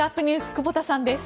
久保田さんです。